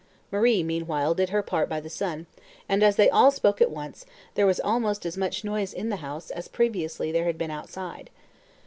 Marie, meanwhile, did her part by the son, and, as they all spoke at once, there was almost as much noise in the house as previously there had been outside.